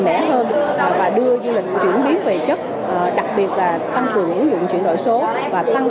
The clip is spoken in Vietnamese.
mẻ hơn và đưa du lịch chuyển biến về chất đặc biệt là tăng cường ứng dụng chuyển đổi số và tăng